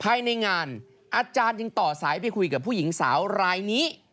ภายในงานอาจารย์ยังต่อสายไปคุยกับผู้หญิงสาวรายนี้